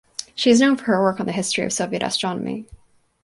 She is known for her work on the history of Soviet astronomy.